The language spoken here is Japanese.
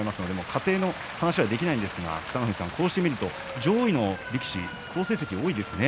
仮定の話はできないんですがこうして見ると上位の力士は好成績が多いですね。